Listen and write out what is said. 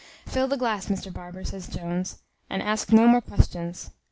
"Fill the glass, Mr Barber," said Jones, "and ask no more questions."